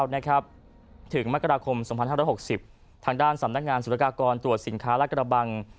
ทางด้านสำนักงานศูนยากากรตรวจสินค้าและกระบัง